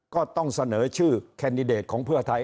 ก็ต้องเสนอชื่อแคนดิเดตของเพื่อไทย